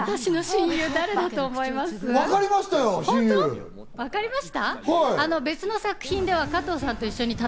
私の親友、誰だと思います？